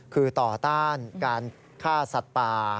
คือต่อต้านการฆ่าสัตว์ป่า